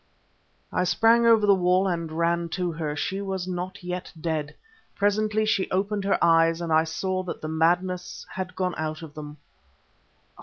I sprang over the wall and ran to her. She was not yet dead. Presently she opened her eyes, and I saw that the madness had gone out of them.